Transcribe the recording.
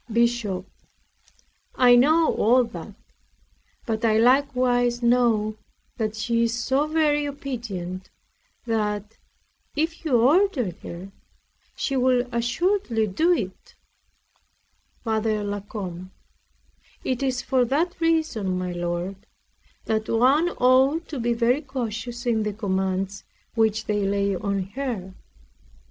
BISHOP I know all that; but I likewise know that she is so very obedient, that, if you order her, she will assuredly do it. F. LA COMBE It is for that reason, my lord, that one ought to be very cautious in the commands which they lay on her.